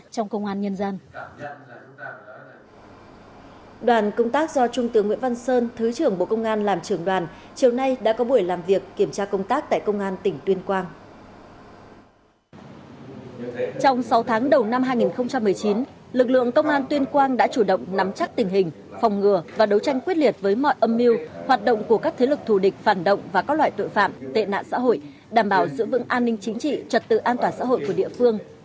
trong sáu tháng đầu năm hai nghìn một mươi chín lực lượng công an tuyên quang đã chủ động nắm chắc tình hình phòng ngừa và đấu tranh quyết liệt với mọi âm mưu hoạt động của các thế lực thù địch phản động và các loại tội phạm tệ nạn xã hội đảm bảo giữ vững an ninh chính trị trật tự an toàn xã hội của địa phương